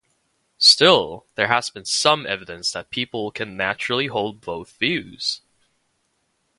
Still, there has been some evidence that people can naturally hold both views.